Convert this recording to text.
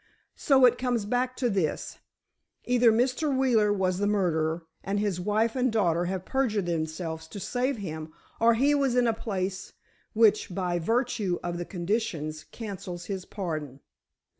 So, it comes back to this: either Mr. Wheeler was the murderer, and his wife and daughter have perjured themselves to save him, or he was in a place which, by virtue of the conditions, cancels his pardon.